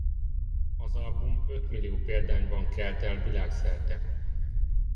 Az album öt millió példányban kelt el világszerte.